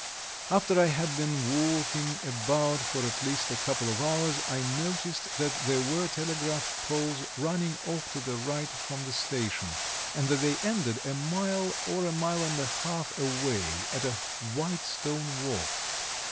After I had been walking about for at least a couple of hours, I noticed that there were telegraph poles running off to the right from the station, and that they ended a mile or a mile and a half away at a white stone wall.